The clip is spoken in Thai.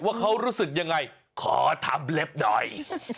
ว่าเขารู้สึกยังไงขอทำเล็บหน่อย